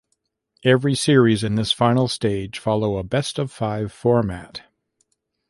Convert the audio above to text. Every series in this final stage follow a best-of-five format.